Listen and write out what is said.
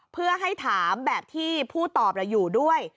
เพื่อให้ถามแบบที่ผู้ตอบอยู่ด้วย